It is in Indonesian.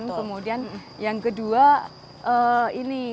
kemudian yang kedua ini